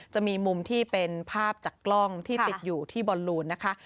จะมีมุมที่เป็นภาพจากกล้องที่ติดอยู่ที่บอลลูนนะคะ